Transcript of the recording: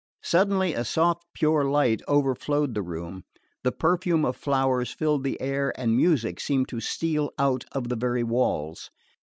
Suddenly a soft pure light overflowed the room, the perfume of flowers filled the air, and music seemed to steal out of the very walls.